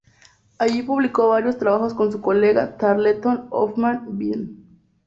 Allí publicó varios trabajos con su colega Tarleton Hoffman Bean.